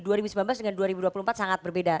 dengan dua ribu dua puluh empat sangat berbeda